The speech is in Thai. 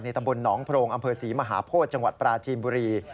ตำบลหนองโพรงอำเภอศรีมหาโพธิจังหวัดปราจีนบุรี